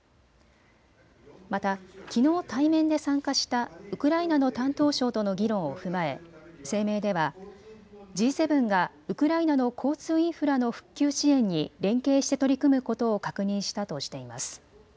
また、きのう対面で参加したウクライナの担当相との議論を踏まえ声明ではＧ７がウクライナの交通インフラの復旧支援に連携して取り組むことを確認したとしています。